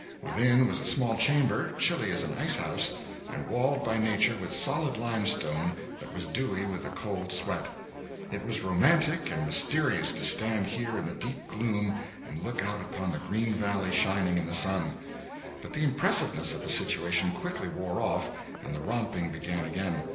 Within was a small chamber, chilly as an icehouse, and walled by Nature with solid limestone that was dewy with a cold sweat. It was romantic and mysterious to stand here in the deep gloom and look out upon the green valley shining in the sun. But the impressiveness of the situation quickly wore off, and the romping began again.